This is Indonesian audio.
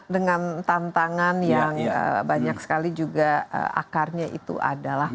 dengan tantangan yang banyak sekali juga akarnya itu adalah